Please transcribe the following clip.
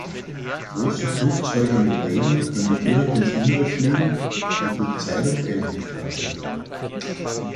Große Flugzeuge mit Rädern können direkt ins Innere fliegen, wodurch Zeit und Geld gespart wird.